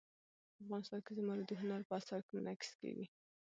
افغانستان کې زمرد د هنر په اثار کې منعکس کېږي.